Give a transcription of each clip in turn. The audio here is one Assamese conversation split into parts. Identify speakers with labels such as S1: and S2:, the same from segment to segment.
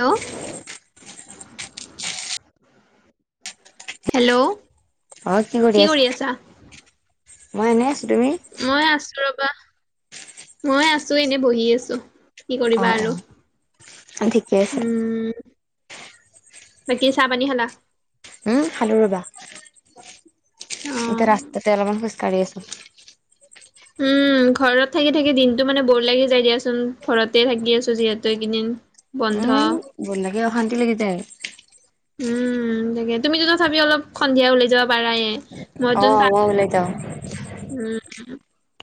S1: হেল্ল', হেল্ল',
S2: অ, কি কৰি আছা, মই এনে আছো তুমি?
S1: মই আছো ৰবা, মই আছো এনে বহি আছো কি
S2: অ
S1: কৰিবা আৰু
S2: অ ঠিকে আছে
S1: উম। বাকি চাহ পানী খালা।
S2: উম খালো ৰবা।
S1: অ
S2: এতিয়া ৰাস্তাতে অলপমান খোজকাঢ়ি আছো।
S1: উম ঘৰত থাকি থাকি দিনটো মানে বৰ লাগি যায় দিয়াচোন ঘৰতে থাকি আছো যিহেতু এইকেইদিন। বন্ধ
S2: বন লাকে অশান্তি লাগি যায়।
S1: উম তাকে তুমি ত ত চাবি অলপ সন্ধিয়া উলাই যাব পাৰায়ে মই
S2: অ
S1: জোন ত
S2: ওলাই যাওঁ
S1: উম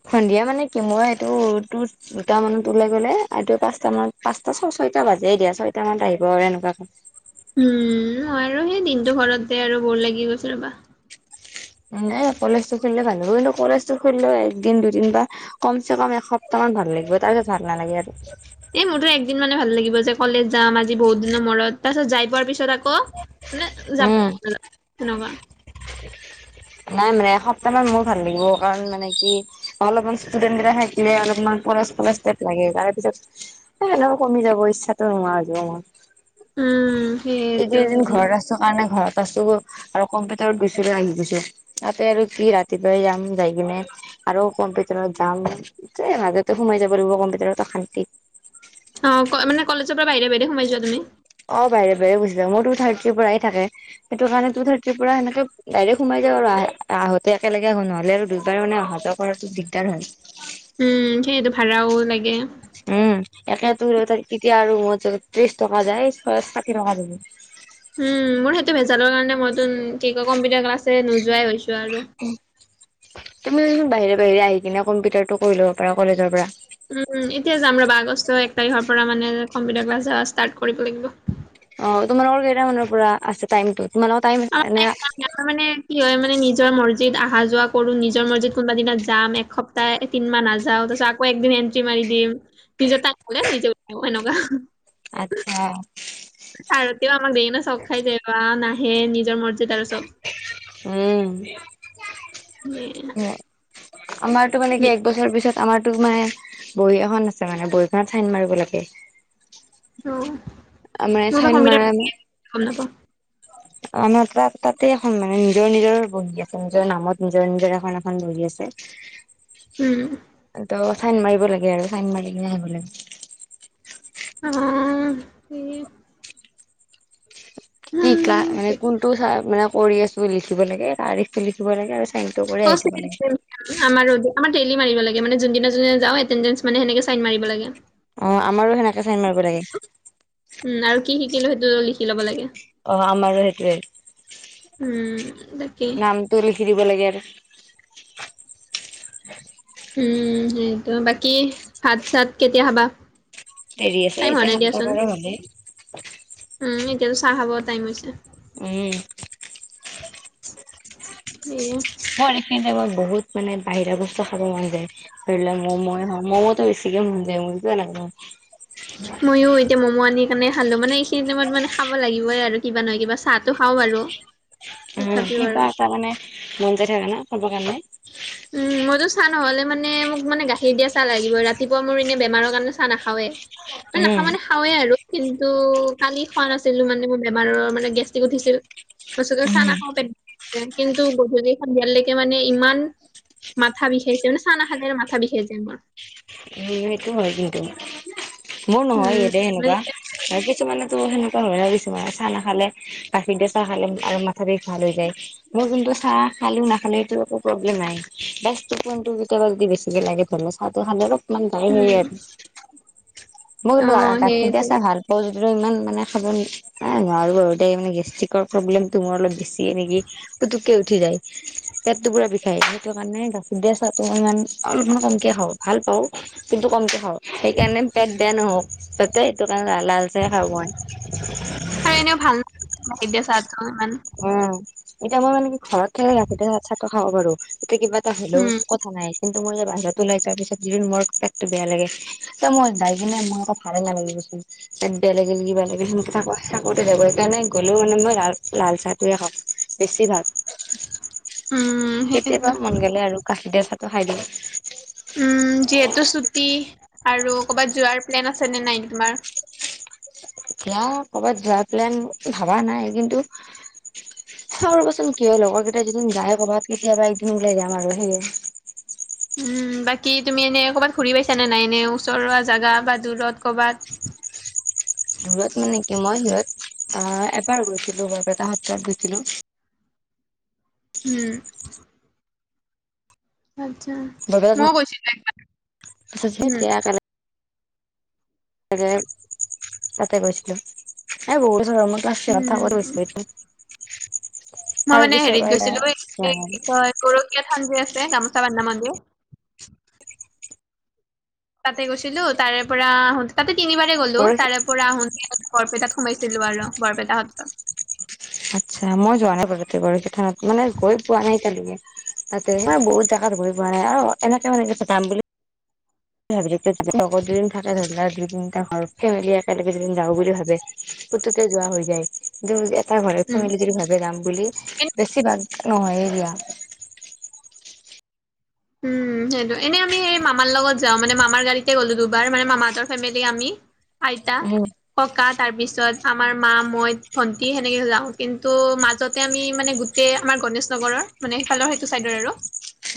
S2: সন্ধিয়া মানে কি মই এইটো তত- দুটাম মানত ওলাই গ'লে আদ পাঁচটা মানত পাঁচটা ছ ছয়টা বাজে দিয়া ছয়টা মানত আহিব আৰু এনেকুৱা,
S1: উম, মই আৰু সেই দিনটো ঘৰতে আৰু বৰ লাগি গৈছে ৰ'বা।
S2: নাই কলেজটো খুলিলে ভাল হ'ব কিন্তু কলেজটো খুলিলেও একদিন, দুদিন বা কমচেকম এসপ্তাহ মান ভাল লাগিব তাৰপিছত ভাল নালাগে আৰু।
S1: এ মোৰতো একদিন মানে ভাল লাগিব যে কলেজ যাম আজি বহু দিনৰ মূৰত তাৰ পিছত যাই পোৱাৰ পিছত আ
S2: উম,
S1: তেনেকুৱা
S2: নাই মানে এসপ্তাহ মান মোৰ ভাল লাগিব কাৰণ মানে কি অলপমান ষ্টুডেন্ট কেটা থাকিলে অলপমান প পুৰা ষ্ট্ৰেইট লাগে তাৰ পিছত এনেকা কমি যাব ইচ্ছাতো নোহোৱা হৈ যাব মোৰ।
S1: উম,
S2: এই
S1: সেইটো
S2: তিনিদিন ঘৰত আছোঁ কাৰণে ঘৰত আছোঁ। আৰু কম্পিউটাৰত গৈছিলোঁ আহি গৈছো তাতে আৰু কি ৰাতিপুৱাই যাম যাই কিনে আৰু কম্পিউটাৰত যাম মাজতে সোমাই যাব লাগিব কম্পিউটাৰত অ - শান্তি।
S1: অ, মানে কলেজৰ পৰা বাহিৰে- বাহিৰে সোমাই যোৱা তুমি?
S2: অ, বাহিৰে- বাহিৰে গুচি যাও মোৰ টু থাৰ্টিৰ পৰাহে থাকে। সেটো কাৰণে টু থাৰ্টিৰ পৰা সেনেকে ডাইৰেক্ট সোমাই যাওঁ আৰু আহ, আহোঁতে একেলগে আহো নহলে আৰু দুইবাৰ মানে অহাটো কৰাতো দিগদাৰ হয়।
S1: উম, সেয়েতো ভাড়াও লাগে।
S2: উম, একে টোৰ তেতিয়া আৰু [unintelligible] ত্ৰিছ টকা যায় ফাৰ্ষ্ট ষাঠি টকা যাব।
S1: উম, মোৰ সেইটো ভেজালৰ কাৰণে মইতো কি কয় কম্পিউটাৰ ক্লাছে নোযোৱাই হৈছো আৰু।
S2: [unintelligible] তুমি কিন্তু বাহিৰে -বাহিৰে আহি কিনে কম্পিউটাৰটো কৰি ল'ব পাৰা কলেজৰ পৰা।
S1: উম, এতিয়া যাম ৰবা আগষ্ট এক তাৰিখৰ পৰা মানে কম্পিউটাৰ ক্লাছ যোৱা ষ্টাৰ্ট কৰিব লাগিব।
S2: অ, তোমালোকৰ কেইটামানৰ পৰা আছে টাইমটো তোমোলোকৰ টাইম এনে
S1: তাৰ মানে কি হয় মানে নিজৰ মৰজিত আহা যোৱা কৰো নিজৰ মৰজিত কোনোবা দিনা যাম এসপ তায়ে তিনমাহ নাযাওঁ তাৰচত আকৌ একদিন এন্ট্ৰি মাৰি দিম নিজে [unintelligible] এনেকুৱা।
S2: আতছা।
S1: আৰু তেওঁ আমাক দেই কিনে চক খাই যায় বাহ নাহে নিজৰ মৰ্জিত আৰু চব।
S2: উম, হম, আমাৰ টো মানে
S1: নি
S2: কি এক বছৰ পিছত আমাৰতোত মানে বহী এখন আছে মানে বহীখনত চাইন মাৰব লাগে।
S1: অ'
S2: মানে
S1: মোৰ বা
S2: চাইন
S1: কম্পিউটাৰ
S2: মাৰাত
S1: গম নাপাও।
S2: অ, নহয় তাত তাতে এখন মানে নিজৰ- নিজৰ বহি আছে নিজৰ নামত নিজৰে নিজৰে এখন -এখন বহী আছে নিজৰ নামত নিজৰ নিজৰ এখন এখন বহী আছে।
S1: উম,
S2: ত'চাইন মাৰিব লাগে আৰু চাইন মাৰি কিনে আহিব লাগে।
S1: অ, সেইয়ে।
S2: টিকা মানে কোনটো চা মানে কৰি আছো লিখিব লাগে তাৰিখ। টো লিখিব লাগে আৰু চাইনটো কৰি আহি যাব
S1: সেয়ে উম,
S2: লাগে।
S1: আমাৰো আমাৰ দেইলি মাৰিব লাগে মানে যোনদিনা -যোনদিনা যাওঁ এতেনডেনচ মানে হেনেকে চাইন মাৰিব লাগে।
S2: অ আমাৰো সেনেকে চাইন মাৰিব লাগে।
S1: [inaudible] উম, আৰু কি শিকিলো সেইটো লিখি লব লাগে।
S2: অ, আমাৰো সেইটোৱে
S1: উম, তাকেই।
S2: টো লিখি দিব লাগে আৰ।
S1: উম, সেইটো বাকী ভাত চাত কেতিয়া খাবা?
S2: দেৰি আছে
S1: টাইম হোৱা
S2: এতিয়া
S1: নাই
S2: সাতটা
S1: দিয়াচোন।
S2: বাৰ হলেই।
S1: উম, এতিয়াতো চাহ খাব টাইম হৈছে।
S2: উম,
S1: এয়ে।
S2: অ, এইখিনি টাইমত বহুত মানে বাহিৰা বস্তু খাব মন যায়। ধৰি লোৱা ম' ময়ে হওঁ মউটো বেছিকে মন যায় কিয় এনেকা কৰা হল
S1: মইয়ো এতিয়া ম'ম' আনি সেইকাৰণে খালো, মানে এইখিনি টাইমত মানে খাব লাগিবই আৰু কিবা নহয় কিবা চাহতো খাওঁ আৰু।
S2: উম'
S1: তথাপিও
S2: কিবা এটা মানে মন যায় থাকে ন, খাবৰ কাৰণে।
S1: উম, মইতো চাহ নহ'লে মানে মোক মানে গাখীৰ দিয়া চাহ লাগিবই ৰাতিপুৱা মোৰ এনে বেমাৰৰ কাৰণে চাহ নাখাৱেই। মান
S2: উম।
S1: নাখাওঁ মানে খাওঁৱে আৰু কিন্তু কালি খোৱা নাছিলো মানে মোৰ বেমাৰত ত' মানে গেষ্ট্ৰিক উঠিছিল তাৰপিছতে চানা
S2: উম
S1: নাখাওঁ পেট ইয়াত কিন্তু গধূলি, সন্ধিয়ালৈকে মানে ইমান মাথা বিষাইছে মানে চানা খাইকিনে মাথা বিষাইছে মোৰ।
S2: মোৰ সেইটো হয় কিন্তু, মোৰ নহয়
S1: উম,
S2: এসেতে
S1: মানে
S2: সেনেকুৱা। হয়। কিছুমানেতো সেনেকোৱা হয় আৰু কিছুমানে চাহ নাখালে গাখীৰ দিয়া চাহ খালে আৰু মাথা বিষ ভাল হৈ যায়। মই যোনটো চাহ খালো নাখালো এইটো একো প্ৰব্লেম নাই। গেছটো কেতিয়াবা যদি বেছিকে লাগে ধৰি লোৱা চাহ টো খালে অলপমান গই হে
S1: উম,
S2: আৰু মইনো
S1: অ'
S2: গাখীৰ দিয়া
S1: সেইটো
S2: চাহ ভাল। হয় যদিও ইমান মানে খাব এ নোৱাৰো আৰু দেই মানে গেষ্টিকৰ প্ৰব্লেমটো মোৰ অলপ বেছিয়ে নেকি পুতুকে উঠি যায়। পেটটো পুৰা বিষাই সেইটো কাৰণে গাখীৰ দিয়া চাহটো ইমান অলপমান কমকে খাওঁ, ভাল পাওঁ। কিন্তু কমকে খাওঁ, সেইকাৰণে পেট বেয়া নহওঁক তাতে সেইটো কাৰণে লাল চাহয়ে খাওঁ মই।
S1: আৰু এনেও ভাল নহয়, গাখীৰ দিয়া চাহটো ইমান।
S2: উম' এতিয়া মই মানে কি ঘৰত ৰাখোতে চাহটো খাব পাৰোঁ। এতিয়া কিবা এটা হ'লেও
S1: উম,
S2: কথা নাই। কিন্তু মই বাহিৰত ওলাই যোৱাৰ পিছত যে মোৰ পেটতো বেয়া লাগে। ত মই যাই কিনে মই একো ভালে নালাগে দেচোন। পেট বেয়া লাগিল, কিবা লাগিল সেনেকে থাকো, সিংহা কৰোতে যাব, সেইকাৰণে গ'লেও মানে মই। লাল চাহটোয়ে খাওঁ বেছি ভাগ,
S1: উম,
S2: কেতিয়াবা
S1: সেইটো
S2: মন গ'লে আৰু গাখীৰ দিয়া চাহটো খাই দিয়ে।
S1: উম' যিহেতু ছুটি আৰু ক'ৰবাত যোৱাৰ প্লেন আছে নে নাই তোমাৰ?
S2: সেইয়া কৰ'বাত যোৱাৰ প্লেন ভবা নাই কিন্তু। চাওঁ ৰবাচোন কি হয় লগৰ কেইটাই এইকেইদিন যায় কৰ'বাত, কেতিয়াবা এদিন ওলাই যাম আৰু সেইয়ে।
S1: উম, বাকী তুমি এনেই ক'ৰবাত ঘূৰি পাইছানে নাই এনে ওচৰৰ জেগা বা দূৰত ক'ৰবাত?
S2: দূৰত মানে কি মই সিহঁত অ, এবাৰ গৈছিলোঁ, বৰপেটা সত্ৰত গৈছিলোঁ।
S1: উম আচ্ছা, মই
S2: বৰপেটাত
S1: গৈছিলোঁ এবাৰ।
S2: তেতিয়া
S1: উম'
S2: তাকে তাতে গৈছিলোঁ, এ বহুত বছৰ হ'ল মই ক্লাছ টেনত থাকোতে
S1: উম,
S2: গৈছিলোঁ এইবাৰ।
S1: মই মানে হেৰিত
S2: এতিয়া
S1: গৈছিলোঁ এই-এই কি কয় গৰকীয়া থান যে আছে গামোচা বান্ধা মন্দিৰ। তাতে গৈছিলোঁ। তাৰে পৰা আহোঁতে তাতে তিনিবাৰে গ'লো।
S2: যোৱা
S1: তাৰে
S2: নাই
S1: তাৰে পৰা আহোঁতে বৰপেটাত সোমাইছিলোঁ আৰু বৰপেটা সত্ৰ।
S2: আচ্ছা, মই যোৱা নাই বাৰু এবাৰো থানত মানে গৈ পোৱা নাই এতিয়ালৈকে। তাতে মই বহুত জেগাত ঘূৰি পোৱা নাই আৰু এনেকে মানে কি যাম বুলি মই ভাবিলোঁ যদি আগত দুদিন থাকে, ধৰি লোৱা আৰু দুই তিনিটা ঘৰ ফেমেলি একেলগে য যাও বুলি ভাবে, পুতুকে যোৱা হৈ যায় কিন্তু এটা
S1: উম
S2: ফেমেলি যদি ভাবে যাম বুলি,
S1: এনে
S2: বেছি ভাগ নহয়েই যোৱা।
S1: উম সেইটো, এনে আমি এই মামাৰ লগত যাওঁ, মানে মামাৰ গাড়ীতে গ'লো দুবাৰ মানে মামাহঁতৰ ফেমিলি আমি। আইতা
S2: উম
S1: ককা তাৰপিছত আমাৰ মা, মই, ভন্টি সেনেকে যাওঁ। কিন্তু মাজতে আমি মানে তে আমাৰ গণেশ নগৰৰ মানে সিফালৰ সেইটো চাইডৰ আৰু।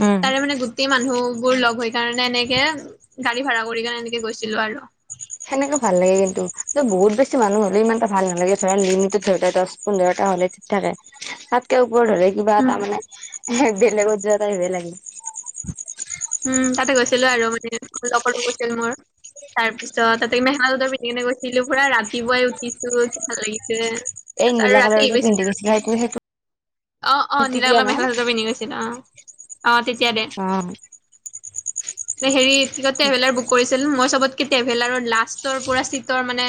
S2: উম
S1: তাৰে মানে গোটেই মানুহ বোৰ লগ হৈ কাৰণে এনেকে গাড়ী ভাড়া কৰি কাৰণে এনেকে গৈছিলো আৰু।
S2: এনেকে ভাল লাগে কিন্তু বহুত বেছি মানুহ হ'লে ইমান এটা ভাল নালাগে। ধৰা লিমিটত ধৰা দহ পোন্ধৰটা হ'লে। তাৰে তাতকে ওপৰত হ'লে কিবা
S1: উম
S2: তাৰমানে বেলেগত যোৱা এটা হে লাগে।
S1: উম' তাতে গৈছিলোঁ আৰু মানে লগত গৈছিল মই। তাৰ পিছত তাতে মেখেলা চাদৰ পিন্ধি কিনে গৈছিলোঁ। পুৰা ৰাতিপুৱাই উঠিছোঁ ভাল লাগিছে।
S2: এই
S1: আৰু
S2: নীালা
S1: ৰাতি
S2: কালাৰ
S1: আহি
S2: যে
S1: পাইছো
S2: পিন্ধি গৈছিলা সেইটো - সেইটো
S1: অ', অ',
S2: কুৰ্তি
S1: নীলা
S2: দিয়া
S1: কালাৰ
S2: ন
S1: মেখেলা চাদৰ পিন্ধি গৈছিল অ। অ', তেতিয়া দে।
S2: অ
S1: এ হেৰি কি ক ট্ৰেভেলাৰ বুক কৰিছিল, মই চবতকে ট্ৰেভেলাৰৰ লাষ্টৰ পৰা চিটৰ মানে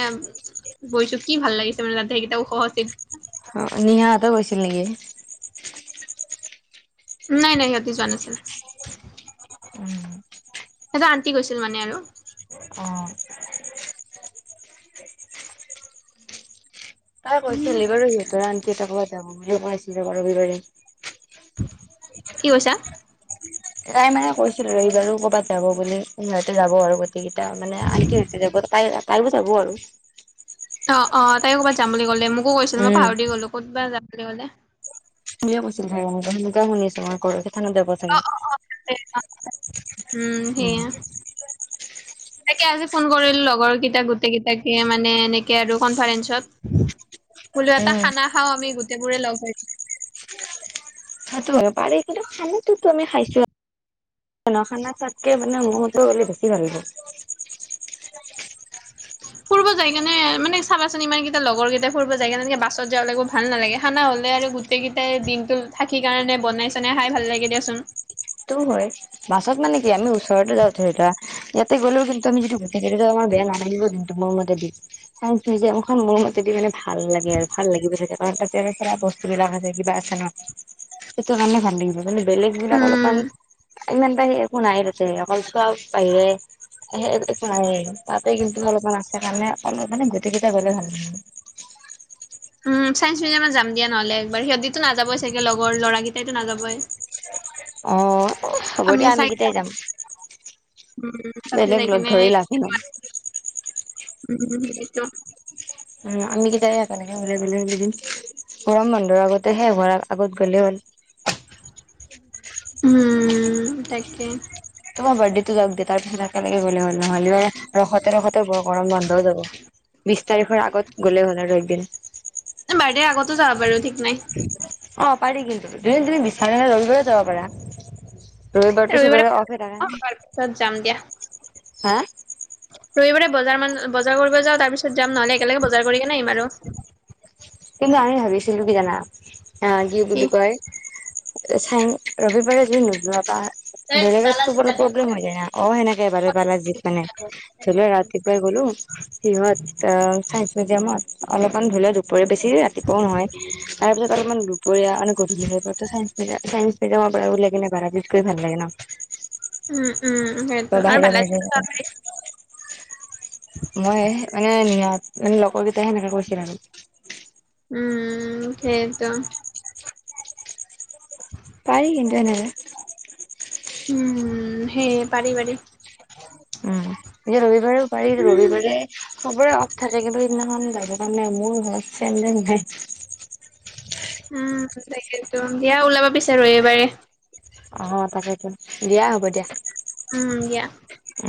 S1: গৈছো কি ভাল লাগিছে মানে তাতে সেইকেইটাও ওখ আছিল।
S2: অ, নিহাহঁতেও গৈছিল নেকি,?
S1: নাই- নাই সিহঁতি যোৱা নাছিল।
S2: [inaudible]
S1: এটা আন্তি গৈছিল মানে আৰু।
S2: অ', তাই কৈছিল সিবাৰো সিহঁতৰ আন্তি এটা কবাত যাব বুলি কই আছিল ৰবা ৰবিবাৰে।
S1: কি কৈছা?
S2: তাই মানে কৈছিল আৰু এইবাৰো কবাত যাব বুলি ইহঁতে যাব আৰু গেইকেইটা মানে আনণ্টি [unintelligible] যাব আৰু।
S1: ত, অ, তাই ক'বাত যাম বুলি কলে মোকো কৈছিল মই
S2: উম।
S1: পাহাৰি গলো ক'ত বা যাম বুলি ক'লে।
S2: তুমিও কৈছিল ভাই এনেকে সেনেকুৱা শুনিছো মই [unintelligible] থানত যাব
S1: অ',
S2: চাগে।
S1: অ', অ', উম, সেইয়া। তাকে আজি ফোন কৰিলোঁ লগৰ কেইটা গোটেই কেইটাকে মানে এনেকে আৰু কনফাৰেন্ঞ্চত। বোলো এটা
S2: উম।
S1: খানা খাও আমি গোটেই বোৰে লগ হৈ।
S2: সেতু হয় পাৰি এই কিন্তু খানাতুটো আমি খাইছোঁ। এ ন'খানা চোৱাতকে মানে মহতো হলে বেছি ভাল লাগে।
S1: [unintelligible] ফুৰব যায়কিনে মানে চাবাচোন ইমানকেইটা লগৰ কেইটা ফুৰিব যায় এনেকে বাছত যাব লাগিব ভাল নালাগে খানা হ'লে আৰু গোট গোটেইকেইটাই দিনটো থাকি কাৰণে বনাই চনাই খাই ভাল লাগে দিয়াচোন
S2: সেইটো হয়। বাছত মানে কি আমি ওচৰতে যাওঁ ধৰি লোৱা ইয়াতে গ'লেও কিন্তু আমি যিটো ভেকচিন [unintelligible] বেয়া নালাগিব তোমৰ মতে দি মোক কিযে মোখন লাগি পিনে মানে ভাল লাগে আৰু ভাল লাগি গৈ থাকে কাৰণ তাতে ধৰা বস্ বিলাক আছে কিবা আছে নহ সেইটো কাৰণে ভাল লাগিব কিন্তু বেলেগ বিলাক অলপমান
S1: উম
S2: ইমান টাইম একো নাই তাতে অকল চোৱা বাহিৰে। সে একো নাইয়ে তাতে কিন্তু অলপমান আছে কাৰণে অলপ মানে গোটেই কেইটা গলে ভাল‌ লাগে।
S1: উম, ছায়েন্স মিউজিয়ামত যাম দিয়া নহ'লে একবাৰ সিহঁতিতো নাযাবই চাগে লগৰ ল'ৰাকেইটাইটো নাযাবই।
S2: অ', হ'ব দিয়া আমি কেইটাই যাম
S1: উম তাতে
S2: বেলেগ
S1: যাই
S2: লগ
S1: কেনে
S2: ধৰি লাভো নাই।
S1: উম- উম এটো
S2: উম, আমি কেটাই একেলগে [unintelligible] ঘূৰিম গৰম বন্ধৰ আগতে শেষ হোৱাৰ আগত গ'লে হ'ল।
S1: [inaudible] উম তাকে।
S2: তোমাৰ বৰ্থডেটো যাওক দে তাৰপাছত কেনেকে গ'লে হ'ল নহলে ৰখতে ৰখতে বৰ গৰম বন্ধও যাব বিশ তাৰিখৰ আগত গ'লে আৰু একদিন
S1: বাৰ্থডে আগতো যাবা পাৰো ঠিক নাই
S2: অ পাৰি কিন্তু যোনে যোনে বিচাৰা ৰবিবাৰেও যাব পাৰা ৰবিবাৰটো চবৰে অফ হয় তাকানে
S1: পিছত যাম দিয়া।
S2: হে!
S1: ৰবিবাৰে বজাৰ মান বজাৰ কৰিব যাওঁ তাৰ পিছত যাম নহলে একেলগে বজাৰ কৰি কেনে আহিম আৰু।
S2: কিন্তু আমি ভাবিছিলো কি জানা আ‌ কি বুলি কয় চাঙ ৰবিবাৰে যি নোযোৱা তা বেলেগ তো পৰা প্ৰব্লেম হয় এয়া ক সেনেকে বাৰে বাৰে জিপনে [unintelligible] ধৰিলোৱা ৰাতিপুৱাই গ'লো সিহঁত চাইন্স মিউজিয়ামত অলপমান ধৰি ল বৰ বেছি ৰাতিপুৱা নহয় তাৰপিছত অলপমান দুপৰীয়া মানে গধুলী চায়ন্স এটিএমৰ পৰা উলিয়াই কিনে ভৰাই দি কৈ ভাল লাগে ন
S1: উম উম সেইটো আৰু
S2: বাহৰে বাহৰে
S1: বালাজীতো যাব পাৰি
S2: মই মানে নিয়াত মানে লগৰ কেইটাই সেনেকে কৈছিল আৰু।
S1: উম সেইত
S2: পাৰি কিন্তু সেনেকে
S1: উম সেইয়ে পাৰি পাৰি।
S2: উম এতিয়া ৰবিবাৰেও পাৰি
S1: উম
S2: ৰবিবাৰে চবোৰে অফ থাকে কিন্তু সেইদিনাখন কাৰনে মোৰ ঘৰত ফেন চেন নাই
S1: উম তাকেতো দিয়া ওলাবা বিছাৰো এইবাৰে।
S2: অ তাকেতো দিয়া হ'ব দিয়া
S1: উম দিয়া
S2: উম